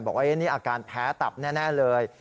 บอกว่านี่อาการแพ้ตับแน่เลย